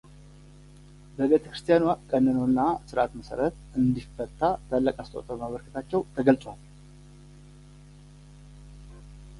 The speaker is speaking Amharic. በቤተ ክርስቲያኗ ቀኖና እና ሥርዓት መሠረት እንዲፈታ ታላቅ አስተዋፅኦ ማበርከታቸው ተገልጿል።